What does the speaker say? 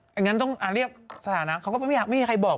ไม่งั้นต้องอ่าเรียกฐานะเขาเลยบอกว่าไม่มีใครบอก